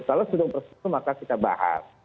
kalau sesuai dengan prosedur maka kita bahas